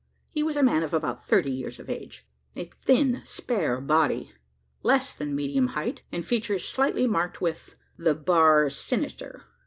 He was a man of about thirty years of age; of a thin spare body, less than medium height; and features slightly marked with, the bar sinister.